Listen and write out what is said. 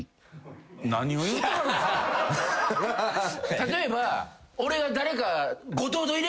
例えば俺が誰か。